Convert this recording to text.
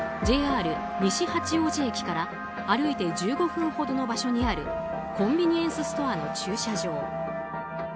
ＪＲ西八王子駅から歩いて１５分ほどの場所にあるコンビニエンスストアの駐車場。